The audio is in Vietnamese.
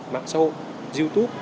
mạng xã hội youtube